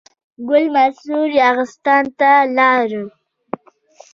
ګل منصور یاغستان ته ولاړ.